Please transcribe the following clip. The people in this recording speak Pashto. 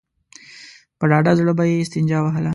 په ډاډه زړه به يې استنجا وهله.